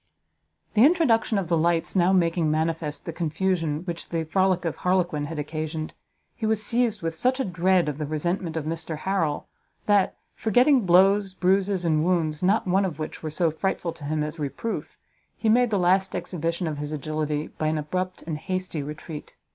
The introduction of the lights now making manifest the confusion which the frolic of Harlequin had occasioned, he was seized with such a dread of the resentment of Mr Harrel, that, forgetting blows, bruises, and wounds, not one of which were so frightful to him as reproof, he made the last exhibition of his agility by an abrupt and hasty retreat.